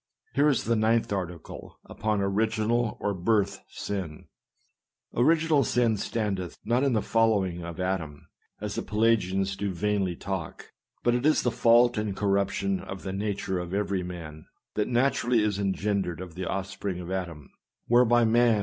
Here is the 9th article, upon Original or Birth Sin :" Original Sin standeth not in the following of Adam; (as the Pelagians do vainly tails ;) but it is the fault and cor ruption of the nature of every man, that naturally is engendered of the offspring of Adam; whereby man 244 SERMONS.